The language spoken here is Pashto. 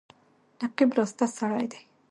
نقيب راسته سړی دی.